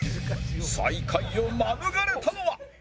最下位を免れたのは